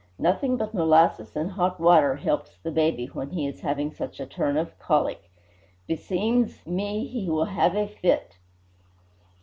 Nothing but molasses and hot water helps the baby when he is having such a turn of colic. Beseems me he will have a fit!